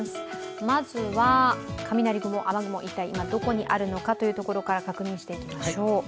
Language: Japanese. まずは、雷雲、雨雲、今一体、今どこにあるのかから確認していきましょう。